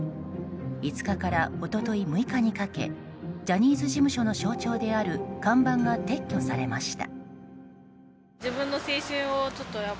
５日から一昨日６日にかけジャニーズ事務所の象徴である看板が撤去されました。